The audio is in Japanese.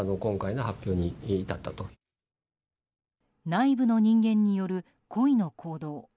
内部の人間による故意の行動。